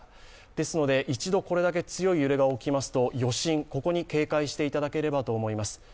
ですので一度これだけ強い揺れが起きますと余震、これに警戒していただけたらと思います。